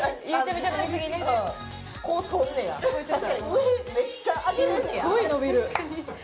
すっごい伸びる。